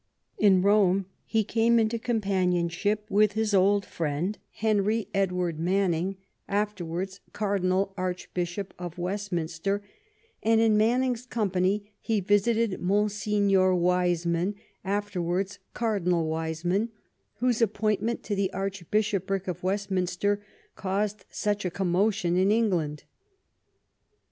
In Rome he came into companionship with his old friend Henry Edward Manning, afterwards Cardi nal Archbishop of Westminster, and in Manning's company he visited Monsignor Wiseman, after wards Cardinal Wiseman, whose appointment to the Archbishopric of Westminster caused such a commotion in England.